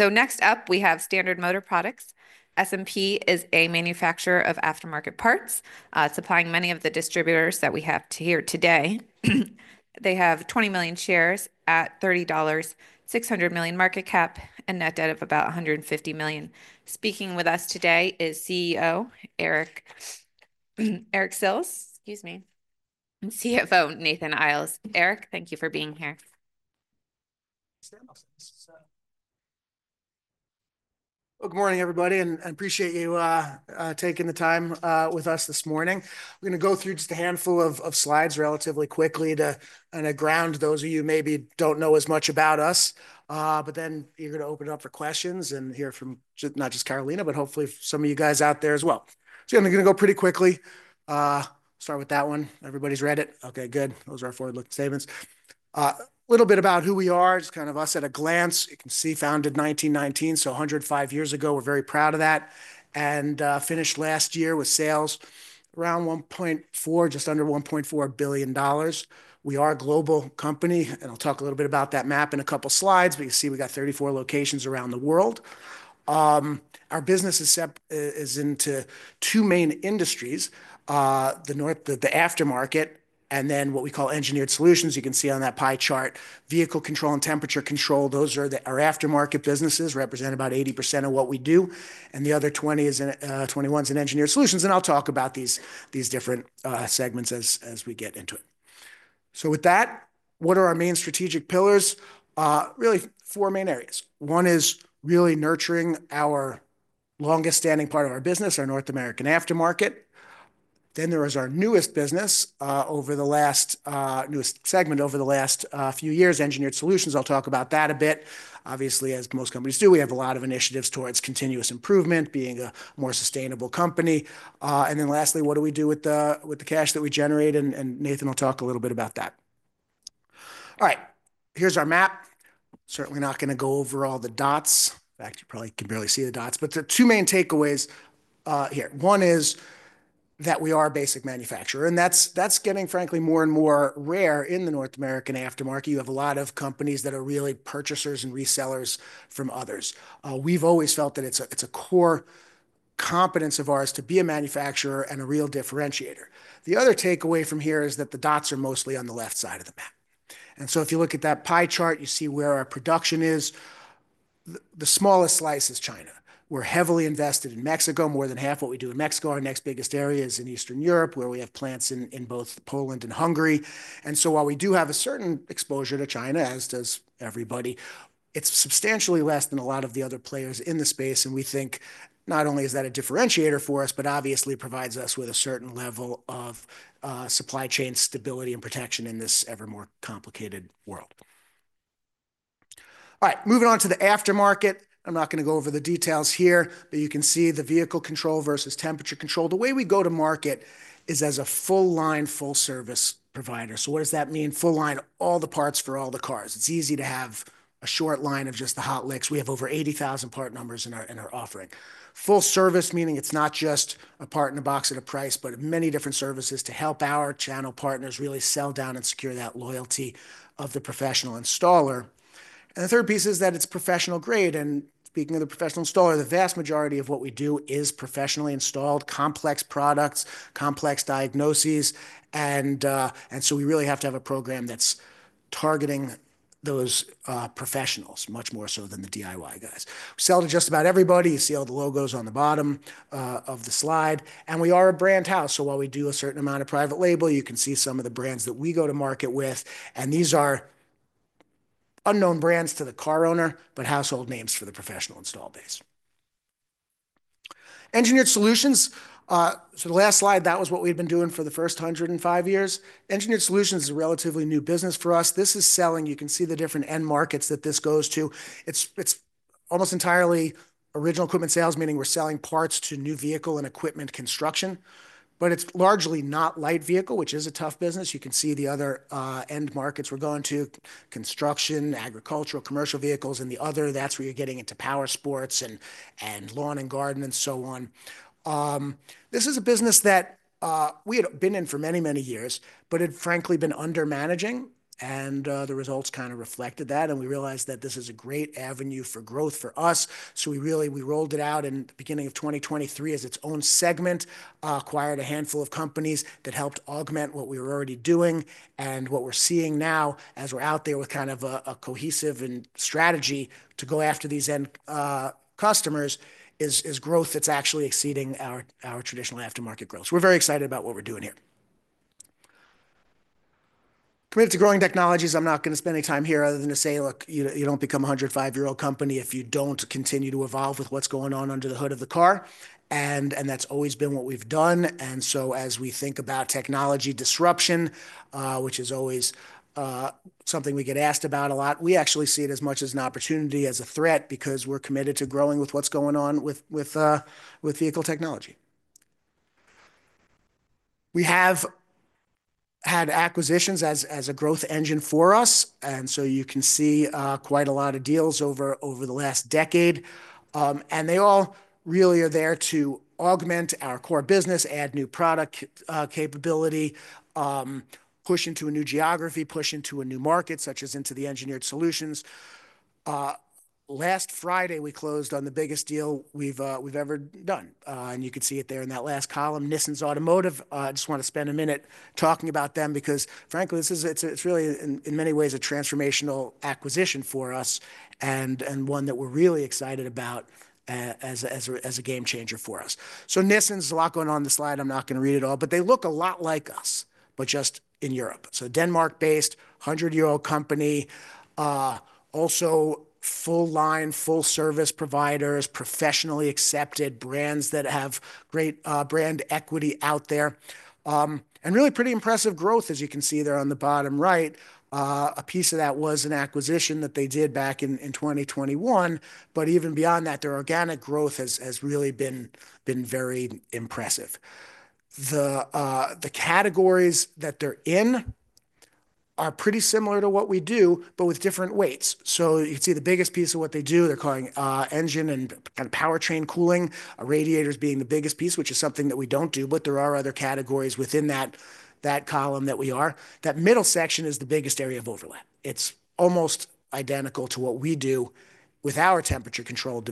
So next up, we have Standard Motor Products. SMP is a manufacturer of aftermarket parts, supplying many of the distributors that we have here today. They have 20 million shares at $30, $600 million market cap and a net debt of about $150 million. Speaking with us today is CEO Eric Sills, excuse me, and CFO Nathan Iles. Eric, thank you for being here. Good morning, everybody, and I appreciate you taking the time with us this morning. We're going to go through just a handful of slides relatively quickly to kind of ground those of you who maybe don't know as much about us, but then you're going to open it up for questions and hear from not just Carolina, but hopefully some of you guys out there as well, so I'm going to go pretty quickly. Start with that one. Everybody's read it? Okay, good. Those are our forward-looking statements. A little bit about who we are, just kind of us at a glance. You can see founded 1919, so 105 years ago. We're very proud of that and finished last year with sales around $1.4, just under $1.4 billion. We are a global company, and I'll talk a little bit about that map in a couple of slides, but you see we got 34 locations around the world. Our business is into two main industries: the aftermarket and then what we call Engineered Solutions. You can see on that pie chart, Vehicle Control and Temperature Control. Those are our aftermarket businesses represent about 80% of what we do, and the other 21% is in Engineered Solutions. And I'll talk about these different segments as we get into it. So with that, what are our main strategic pillars? Really four main areas. One is really nurturing our longest-standing part of our business, our North American aftermarket. Then there is our newest business over the last, newest segment over the last few years, Engineered Solutions. I'll talk about that a bit. Obviously, as most companies do, we have a lot of initiatives towards continuous improvement, being a more sustainable company. And then lastly, what do we do with the cash that we generate? And Nathan will talk a little bit about that. All right, here's our map. Certainly not going to go over all the dots. In fact, you probably can barely see the dots, but the two main takeaways here. One is that we are a basic manufacturer, and that's getting, frankly, more and more rare in the North American aftermarket. You have a lot of companies that are really purchasers and resellers from others. We've always felt that it's a core competence of ours to be a manufacturer and a real differentiator. The other takeaway from here is that the dots are mostly on the left side of the map. And so if you look at that pie chart, you see where our production is. The smallest slice is China. We're heavily invested in Mexico. More than half what we do in Mexico. Our next biggest area is in Eastern Europe, where we have plants in both Poland and Hungary. And so while we do have a certain exposure to China, as does everybody, it's substantially less than a lot of the other players in the space. And we think not only is that a differentiator for us, but obviously provides us with a certain level of supply chain stability and protection in this ever more complicated world. All right, moving on to the aftermarket. I'm not going to go over the details here, but you can see the Vehicle Control versus Temperature Control. The way we go to market is as a full-line, full-service provider. So what does that mean? Full-line, all the parts for all the cars. It's easy to have a short line of just the hot licks. We have over 80,000 part numbers in our offering. Full-service, meaning it's not just a part in a box at a price, but many different services to help our channel partners really sell down and secure that loyalty of the professional installer. And the third piece is that it's professional grade. And speaking of the professional installer, the vast majority of what we do is professionally installed, complex products, complex diagnoses. And so we really have to have a program that's targeting those professionals much more so than the DIY guys. We sell to just about everybody. You see all the logos on the bottom of the slide. And we are a brand house. So while we do a certain amount of private label, you can see some of the brands that we go to market with. And these are unknown brands to the car owner, but household names for the professional install base. Engineered Solutions. So the last slide, that was what we'd been doing for the first 105 years. Engineered Solutions is a relatively new business for us. This is selling. You can see the different end markets that this goes to. It's almost entirely original equipment sales, meaning we're selling parts to new vehicle and equipment construction, but it's largely not light vehicle, which is a tough business. You can see the other end markets we're going to: construction, agricultural, commercial vehicles. And the other, that's where you're getting into power sports and lawn and garden and so on. This is a business that we had been in for many, many years, but had frankly been undermanaging. And the results kind of reflected that. And we realized that this is a great avenue for growth for us. So we really, we rolled it out in the beginning of 2023 as its own segment, acquired a handful of companies that helped augment what we were already doing. And what we're seeing now as we're out there with kind of a cohesive strategy to go after these end customers is growth that's actually exceeding our traditional aftermarket growth. We're very excited about what we're doing here. Commit to growing technologies. I'm not going to spend any time here other than to say, look, you don't become a 105-year-old company if you don't continue to evolve with what's going on under the hood of the car. That's always been what we've done. So as we think about technology disruption, which is always something we get asked about a lot, we actually see it as much as an opportunity as a threat because we're committed to growing with what's going on with vehicle technology. We have had acquisitions as a growth engine for us. So you can see quite a lot of deals over the last decade. They all really are there to augment our core business, add new product capability, push into a new geography, push into a new market, such as into the Engineered Solutions. Last Friday, we closed on the biggest deal we've ever done. You can see it there in that last column, Nissens Automotive. I just want to spend a minute talking about them because, frankly, it's really in many ways a transformational acquisition for us and one that we're really excited about as a game changer for us. So Nissens has a lot going on on this slide. I'm not going to read it all, but they look a lot like us, but just in Europe. So Denmark-based, 100-year-old company, also full-line, full-service providers, professionally accepted brands that have great brand equity out there. And really pretty impressive growth, as you can see there on the bottom right. A piece of that was an acquisition that they did back in 2021. But even beyond that, their organic growth has really been very impressive. The categories that they're in are pretty similar to what we do, but with different weights. So you can see the biggest piece of what they do. They're calling engine and kind of powertrain cooling, radiators being the biggest piece, which is something that we don't do, but there are other categories within that column that we are. That middle section is the biggest area of overlap. It's almost identical to what we do with our Temperature Control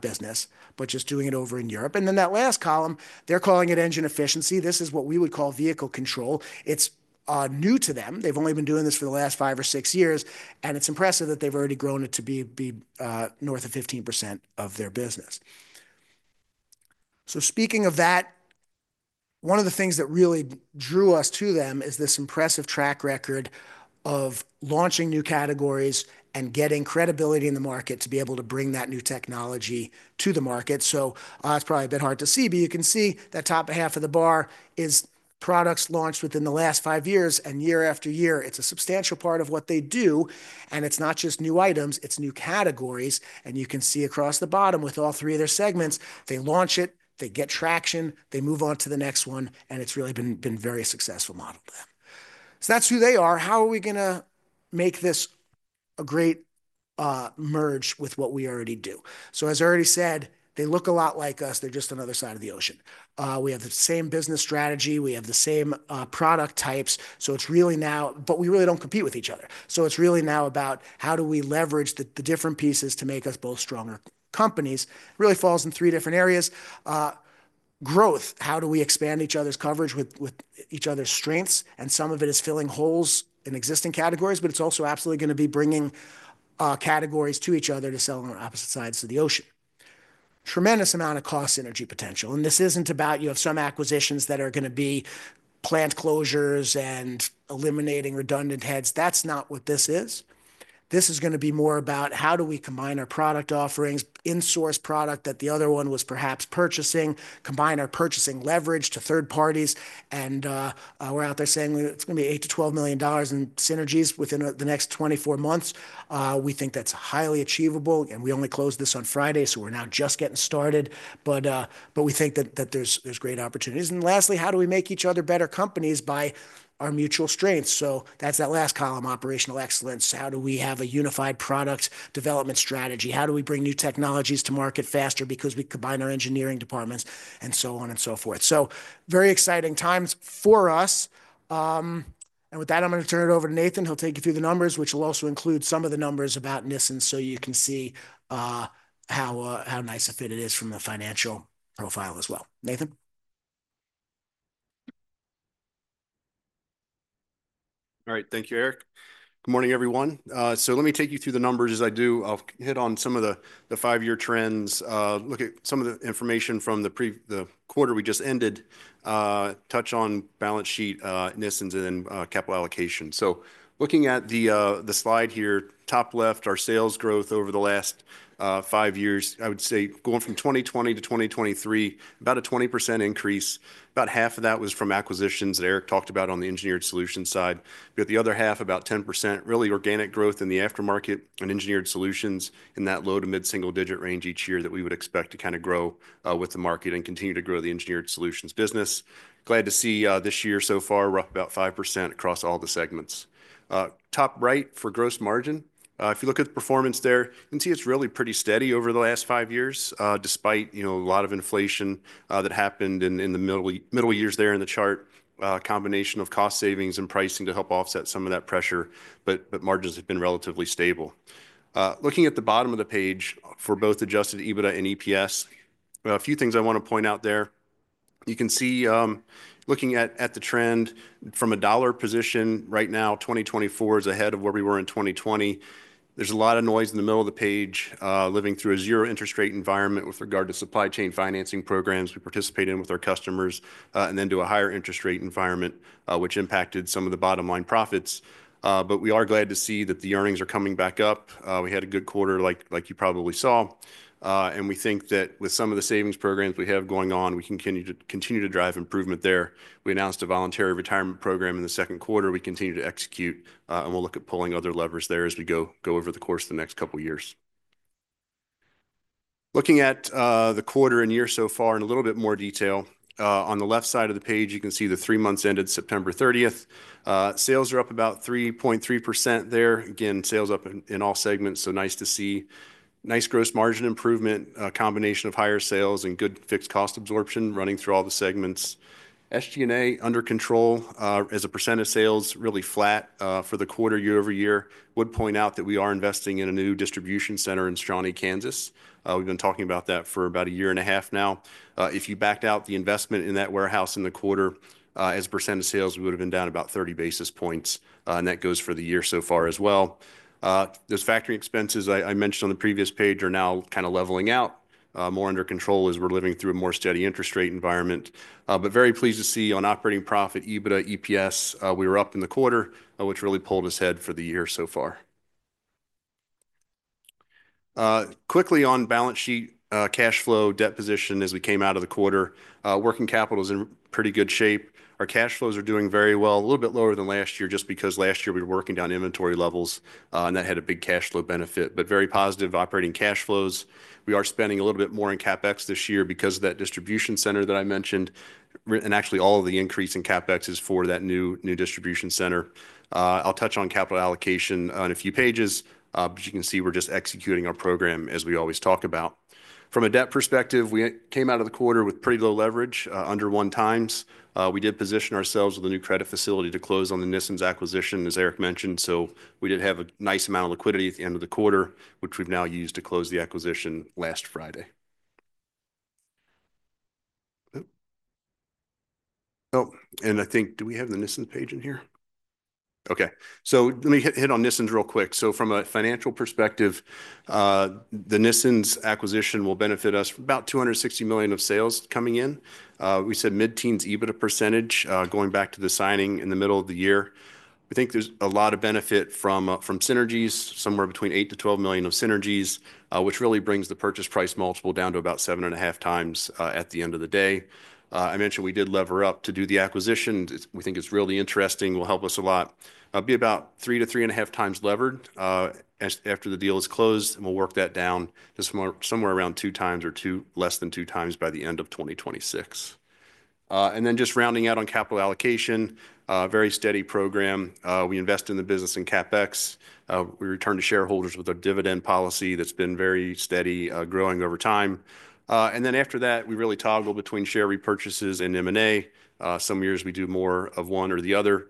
business, but just doing it over in Europe. And then that last column, they're calling it engine efficiency. This is what we would call Vehicle Control. It's new to them. They've only been doing this for the last five or six years. And it's impressive that they've already grown it to be north of 15% of their business. So speaking of that, one of the things that really drew us to them is this impressive track record of launching new categories and getting credibility in the market to be able to bring that new technology to the market. So it's probably a bit hard to see, but you can see that top half of the bar is products launched within the last five years. And year after year, it's a substantial part of what they do. And it's not just new items, it's new categories. And you can see across the bottom with all three of their segments, they launch it, they get traction, they move on to the next one, and it's really been a very successful model there. So that's who they are. How are we going to make this a great merge with what we already do? So as I already said, they look a lot like us. They're just on the other side of the ocean. We have the same business strategy. We have the same product types. So it's really now, but we really don't compete with each other. So it's really now about how do we leverage the different pieces to make us both stronger companies. Really falls in three different areas. Growth, how do we expand each other's coverage with each other's strengths? And some of it is filling holes in existing categories, but it's also absolutely going to be bringing categories to each other to sell on opposite sides of the ocean. Tremendous amount of cost synergy potential. And this isn't about you have some acquisitions that are going to be plant closures and eliminating redundant heads. That's not what this is. This is going to be more about how do we combine our product offerings, insource product that the other one was perhaps purchasing, combine our purchasing leverage to third parties. And we're out there saying it's going to be $8 million-$12 million in synergies within the next 24 months. We think that's highly achievable. And we only closed this on Friday, so we're now just getting started. But we think that there's great opportunities. And lastly, how do we make each other better companies by our mutual strengths? So that's that last column, operational excellence. How do we have a unified product development strategy? How do we bring new technologies to market faster because we combine our engineering departments and so on and so forth? So very exciting times for us. And with that, I'm going to turn it over to Nathan. He'll take you through the numbers, which will also include some of the numbers about Nissens so you can see how nice a fit it is from the financial profile as well. Nathan? All right, thank you, Eric. Good morning, everyone. So let me take you through the numbers as I do. I'll hit on some of the five-year trends, look at some of the information from the quarter we just ended, touch on balance sheet, Nissens, and then capital allocation. So looking at the slide here, top left, our sales growth over the last five years, I would say going from 2020-2023, about a 20% increase. About half of that was from acquisitions that Eric talked about on the engineered solution side. We got the other half, about 10%, really organic growth in the aftermarket and Engineered Solutions in that low to mid-single-digit range each year that we would expect to kind of grow with the market and continue to grow the Engineered Solutions business. Glad to see this year so far, roughly about 5% across all the segments. Top right for gross margin. If you look at the performance there, you can see it's really pretty steady over the last five years despite a lot of inflation that happened in the middle years there in the chart, a combination of cost savings and pricing to help offset some of that pressure, but margins have been relatively stable. Looking at the bottom of the page for both adjusted EBITDA and EPS, a few things I want to point out there. You can see looking at the trend from a dollar position right now, 2024 is ahead of where we were in 2020. There's a lot of noise in the middle of the page living through a zero interest rate environment with regard to supply chain financing programs we participate in with our customers and then to a higher interest rate environment, which impacted some of the bottom-line profits. But we are glad to see that the earnings are coming back up. We had a good quarter, like you probably saw. And we think that with some of the savings programs we have going on, we continue to drive improvement there. We announced a Voluntary Retirement Program in the second quarter. We continue to execute, and we'll look at pulling other levers there as we go over the course of the next couple of years. Looking at the quarter and year so far in a little bit more detail, on the left side of the page, you can see the three months ended September 30th. Sales are up about 3.3% there. Again, sales up in all segments, so nice to see. Nice gross margin improvement, combination of higher sales and good fixed cost absorption running through all the segments. SG&A under control as a % of sales, really flat for the quarter year-over-year. Would point out that we are investing in a new distribution center in Shawnee, Kansas. We've been talking about that for about a year and a half now. If you backed out the investment in that warehouse in the quarter as a % of sales, we would have been down about 30 basis points. That goes for the year so far as well. Those factory expenses I mentioned on the previous page are now kind of leveling out, more under control as we're living through a more steady interest rate environment. Very pleased to see on operating profit, EBITDA, EPS, we were up in the quarter, which really pulled us ahead for the year so far. Quickly on balance sheet, cash flow, debt position as we came out of the quarter. Working capital is in pretty good shape. Our cash flows are doing very well, a little bit lower than last year just because last year we were working down inventory levels, and that had a big cash flow benefit, but very positive operating cash flows. We are spending a little bit more in CapEx this year because of that distribution center that I mentioned, and actually all of the increase in CapEx is for that new distribution center. I'll touch on capital allocation on a few pages, but you can see we're just executing our program as we always talk about. From a debt perspective, we came out of the quarter with pretty low leverage, under one times. We did position ourselves with a new credit facility to close on the Nissens acquisition, as Eric mentioned. So we did have a nice amount of liquidity at the end of the quarter, which we've now used to close the acquisition last Friday. Oh, and I think, do we have the Nissens page in here? Okay. So let me hit on Nissens real quick. So from a financial perspective, the Nissens acquisition will benefit us from about $260 million of sales coming in. We said mid-teens EBITDA percentage going back to the signing in the middle of the year. I think there's a lot of benefit from synergies, somewhere between 8 million-12 million of synergies, which really brings the purchase price multiple down to about seven and a half times at the end of the day. I mentioned we did lever up to do the acquisition. We think it's really interesting. It will help us a lot. It'll be about 3x-3.5x levered after the deal is closed, and we'll work that down to somewhere around 2x or less than 2x by the end of 2026. Then just rounding out on capital allocation, very steady program. We invest in the business in CapEx. We return to shareholders with our dividend policy that's been very steady growing over time. Then after that, we really toggle between share repurchases and M&A. Some years we do more of one or the other.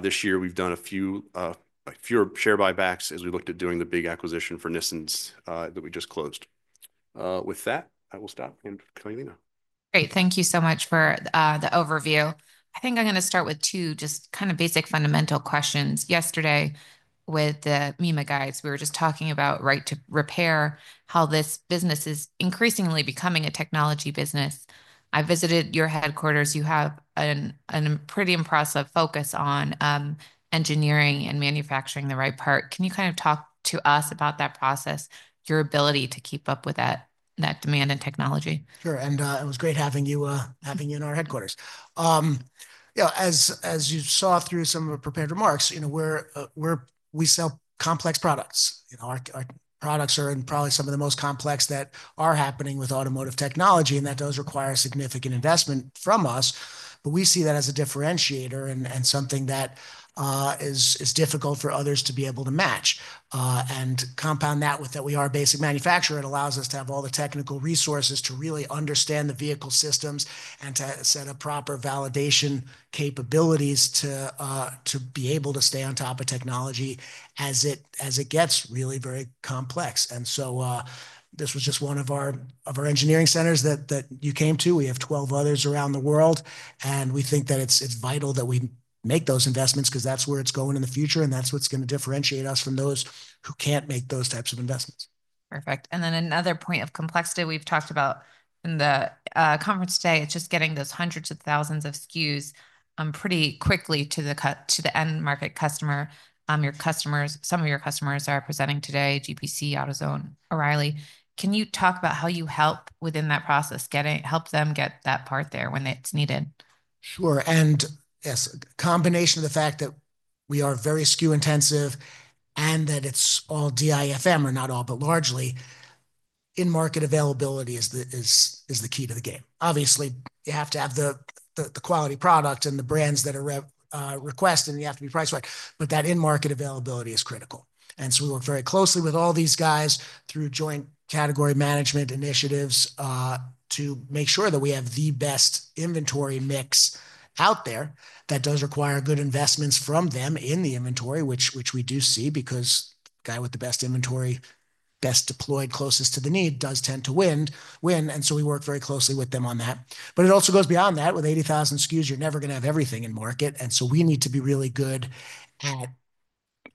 This year we've done a few fewer share buybacks as we looked at doing the big acquisition for Nissens that we just closed. With that, I will stop and Carolina. Great. Thank you so much for the overview. I think I'm going to start with two just kind of basic fundamental questions. Yesterday with the MEMA guys, we were just talking about right to repair, how this business is increasingly becoming a technology business. I visited your headquarters. You have a pretty impressive focus on engineering and manufacturing the right part. Can you kind of talk to us about that process, your ability to keep up with that demand and technology? Sure. And it was great having you in our headquarters. As you saw through some of the prepared remarks, we sell complex products. Our products are in probably some of the most complex that are happening with automotive technology, and that does require significant investment from us. But we see that as a differentiator and something that is difficult for others to be able to match. And compound that with that we are a basic manufacturer, it allows us to have all the technical resources to really understand the vehicle systems and to set up proper validation capabilities to be able to stay on top of technology as it gets really very complex. And so this was just one of our engineering centers that you came to. We have 12 others around the world. We think that it's vital that we make those investments because that's where it's going in the future, and that's what's going to differentiate us from those who can't make those types of investments. Perfect. And then another point of complexity we've talked about in the conference today, it's just getting those hundreds of thousands of SKUs pretty quickly to the end market customer. Some of your customers are presenting today, GPC, AutoZone, O'Reilly. Can you talk about how you help within that process, help them get that part there when it's needed? Sure. And yes, a combination of the fact that we are very SKU-intensive and that it's all DIFM or not all, but largely in-market availability is the key to the game. Obviously, you have to have the quality product and the brands that are requested, and you have to be priced right. But that in-market availability is critical. And so we work very closely with all these guys through joint category management initiatives to make sure that we have the best inventory mix out there that does require good investments from them in the inventory, which we do see because the guy with the best inventory, best deployed closest to the need does tend to win. And so we work very closely with them on that. But it also goes beyond that. With 80,000 SKUs, you're never going to have everything in market. And so we need to be really good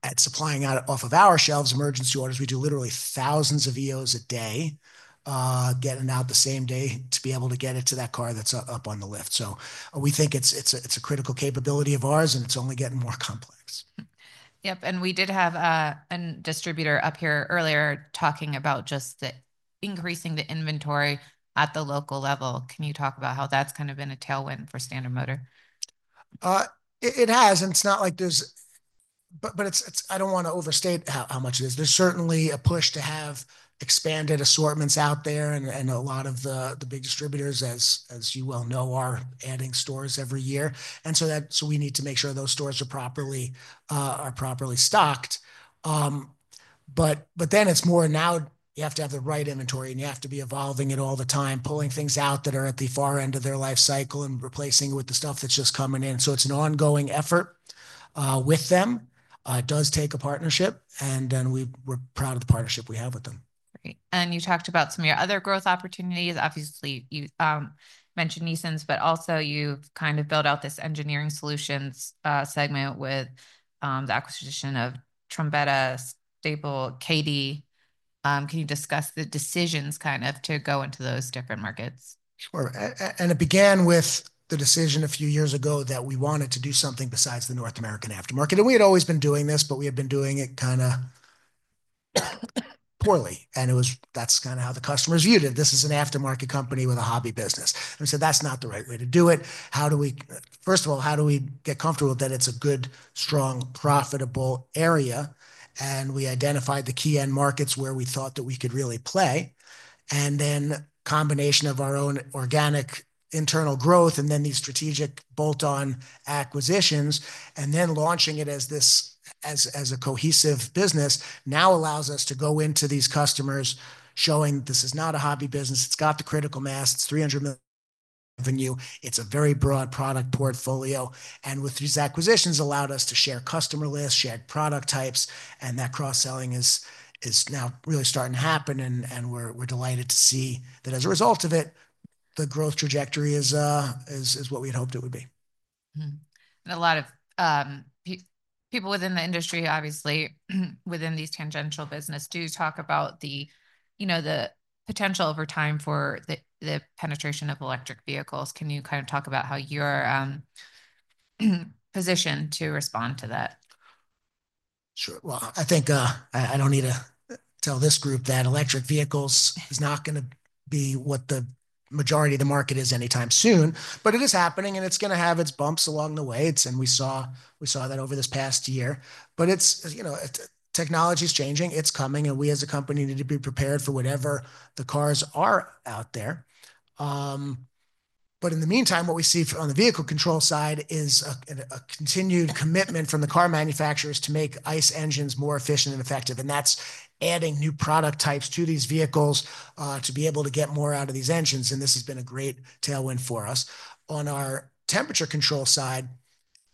at supplying out, off of our shelves, emergency orders. We do literally thousands of EOs a day, getting out the same day to be able to get it to that car that's up on the lift. So we think it's a critical capability of ours, and it's only getting more complex. Yep. And we did have a distributor up here earlier talking about just increasing the inventory at the local level. Can you talk about how that's kind of been a tailwind for Standard Motor? It has. And it's not like there's, but I don't want to overstate how much it is. There's certainly a push to have expanded assortments out there, and a lot of the big distributors, as you well know, are adding stores every year. And so we need to make sure those stores are properly stocked. But then it's more now, you have to have the right inventory, and you have to be evolving it all the time, pulling things out that are at the far end of their life cycle and replacing it with the stuff that's just coming in. So it's an ongoing effort with them. It does take a partnership, and we're proud of the partnership we have with them. Great. And you talked about some of your other growth opportunities. Obviously, you mentioned Nissens, but also you've kind of built out this Engineered Solutions segment with the acquisition of Trombetta, Stabil, Kade. Can you discuss the decisions kind of to go into those different markets? Sure. And it began with the decision a few years ago that we wanted to do something besides the North American aftermarket. And we had always been doing this, but we had been doing it kind of poorly. And that's kind of how the customers viewed it. This is an aftermarket company with a hobby business. And we said, "That's not the right way to do it." First of all, how do we get comfortable that it's a good, strong, profitable area? And we identified the key end markets where we thought that we could really play. And then a combination of our own organic internal growth and then these strategic bolt-on acquisitions, and then launching it as a cohesive business now allows us to go into these customers showing this is not a hobby business. It's got the critical mass. It's $300 million revenue. It's a very broad product portfolio. And with these acquisitions allowed us to share customer lists, shared product types, and that cross-selling is now really starting to happen. And we're delighted to see that as a result of it, the growth trajectory is what we had hoped it would be. A lot of people within the industry, obviously, within these tangential businesses do talk about the potential over time for the penetration of electric vehicles. Can you kind of talk about how you're positioned to respond to that? Sure, well, I think I don't need to tell this group that electric vehicles is not going to be what the majority of the market is anytime soon, but it is happening, and it's going to have its bumps along the way, and we saw that over this past year, but technology is changing, it's coming, and we as a company need to be prepared for whatever the cars are out there, but in the meantime, what we see on the Vehicle Control side is a continued commitment from the car manufacturers to make ICE engines more efficient and effective, and that's adding new product types to these vehicles to be able to get more out of these engines, and this has been a great tailwind for us. On our Temperature Control side,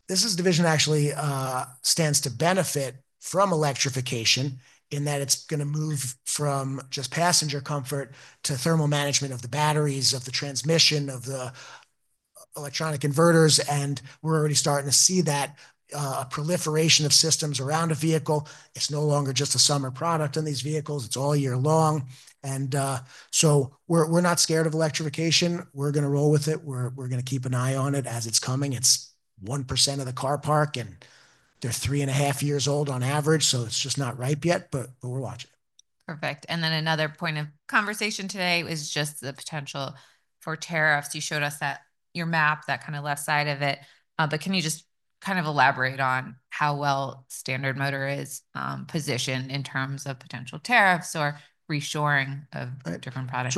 this is a division that actually stands to benefit from electrification in that it's going to move from just passenger comfort to thermal management of the batteries, of the transmission, of the electronic inverters. And we're already starting to see that a proliferation of systems around a vehicle. It's no longer just a summer product in these vehicles. It's all year long. And so we're not scared of electrification. We're going to roll with it. We're going to keep an eye on it as it's coming. It's 1% of the car park, and they're three and a half years old on average. So it's just not ripe yet, but we're watching it. Perfect. And then another point of conversation today is just the potential for tariffs. You showed us your map, that kind of left side of it. But can you just kind of elaborate on how well Standard Motor is positioned in terms of potential tariffs or reshoring of different products?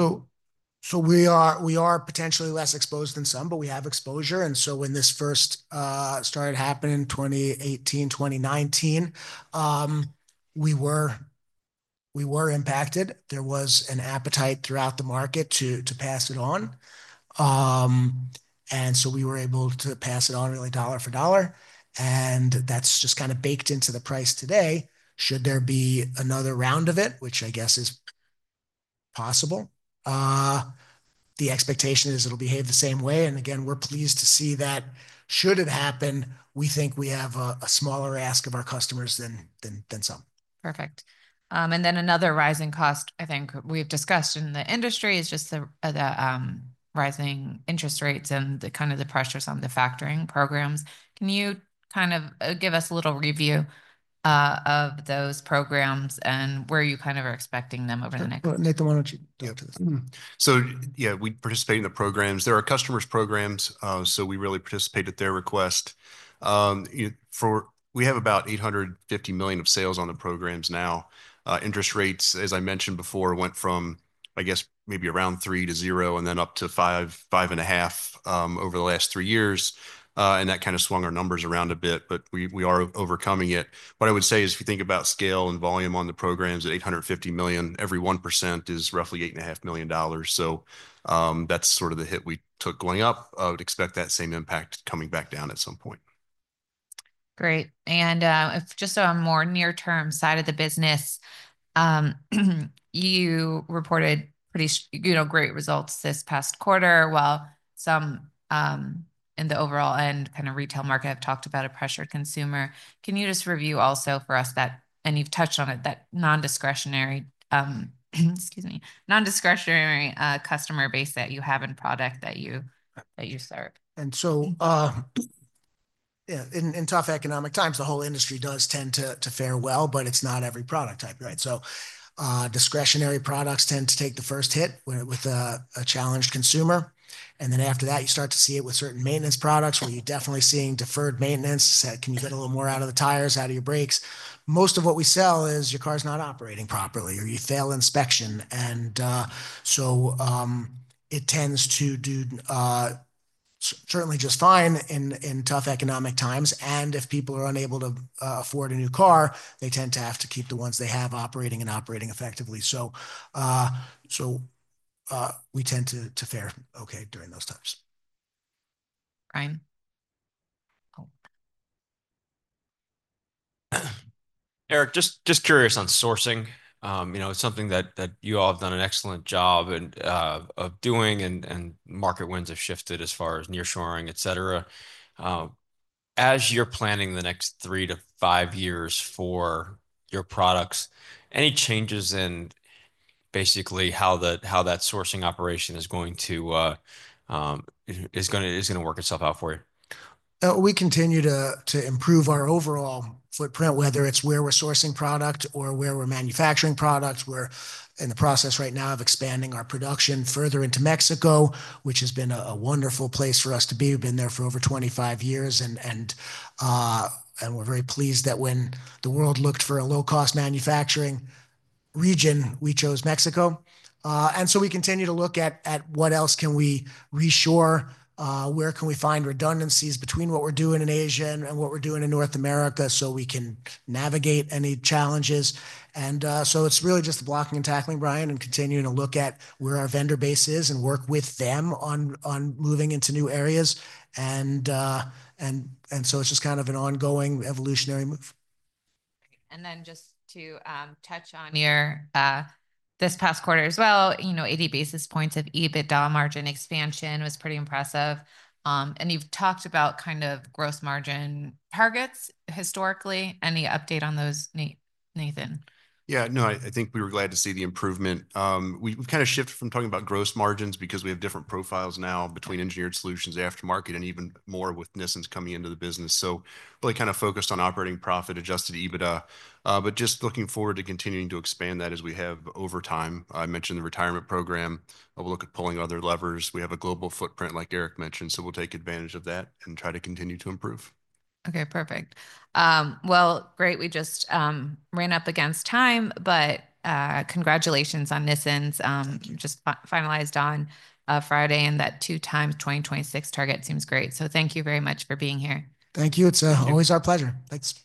So we are potentially less exposed than some, but we have exposure. And so when this first started happening in 2018, 2019, we were impacted. There was an appetite throughout the market to pass it on. And so we were able to pass it on really dollar for dollar. And that's just kind of baked into the price today. Should there be another round of it, which I guess is possible, the expectation is it'll behave the same way. And again, we're pleased to see that should it happen, we think we have a smaller ask of our customers than some. Perfect. And then another rising cost, I think we've discussed in the industry, is just the rising interest rates and kind of the pressures on the factoring programs. Can you kind of give us a little review of those programs and where you kind of are expecting them over the next? Nathan, why don't you go to this? So yeah, we participate in the programs. There are customers' programs, so we really participate at their request. We have about $850 million of sales on the programs now. Interest rates, as I mentioned before, went from, I guess, maybe around three to zero and then up to five, five and a half over the last three years. And that kind of swung our numbers around a bit, but we are overcoming it. What I would say is if you think about scale and volume on the programs at $850 million, every 1% is roughly $8.5 million. So that's sort of the hit we took going up. I would expect that same impact coming back down at some point. Great. And just on a more near-term side of the business, you reported pretty great results this past quarter. While some in the overall end kind of retail market have talked about a pressured consumer, can you just review also for us that, and you've touched on it, that non-discretionary, excuse me, non-discretionary customer base that you have in product that you serve? In tough economic times, the whole industry does tend to fare well, but it's not every product type, right? So discretionary products tend to take the first hit with a challenged consumer. And then after that, you start to see it with certain maintenance products where you're definitely seeing deferred maintenance. Can you get a little more out of the tires, out of your brakes? Most of what we sell is your car's not operating properly or you fail inspection. And so it tends to do certainly just fine in tough economic times. And if people are unable to afford a new car, they tend to have to keep the ones they have operating and operating effectively. So we tend to fare okay during those times. Brian. Eric, just curious on sourcing. It's something that you all have done an excellent job of doing, and market winds have shifted as far as nearshoring, etc. As you're planning the next three to five years for your products, any changes in basically how that sourcing operation is going to work itself out for you? We continue to improve our overall footprint, whether it's where we're sourcing product or where we're manufacturing products. We're in the process right now of expanding our production further into Mexico, which has been a wonderful place for us to be. We've been there for over 25 years, and we're very pleased that when the world looked for a low-cost manufacturing region, we chose Mexico. And so we continue to look at what else can we reshore, where can we find redundancies between what we're doing in Asia and what we're doing in North America so we can navigate any challenges. And so it's really just the blocking and tackling, Brian, and continuing to look at where our vendor base is and work with them on moving into new areas. And so it's just kind of an ongoing evolutionary move. And then just to touch on here, this past quarter as well, 80 basis points of EBITDA margin expansion was pretty impressive. And you've talked about kind of gross margin targets historically. Any update on those, Nathan? Yeah. No, I think we were glad to see the improvement. We've kind of shifted from talking about gross margins because we have different profiles now between Engineered Solutions, aftermarket, and even more with Nissens coming into the business. So really kind of focused on operating profit, adjusted EBITDA, but just looking forward to continuing to expand that as we have over time. I mentioned the retirement program. We'll look at pulling other levers. We have a global footprint, like Eric mentioned, so we'll take advantage of that and try to continue to improve. Okay. Perfect. Well, great. We just ran up against time, but congratulations on Nissens. Just finalized on Friday, and that two times 2026 target seems great. So thank you very much for being here. Thank you. It's always our pleasure. Thanks.